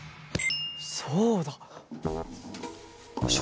そうだ！